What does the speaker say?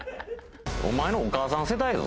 お前のお母さん世代やぞ！